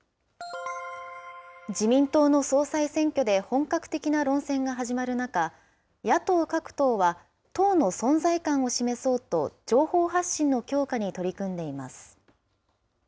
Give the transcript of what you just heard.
自民党の総裁選挙で本格的な論戦が始まる中、野党各党は党の存在感を示そうと、情報発信の強化に取り組んでいます。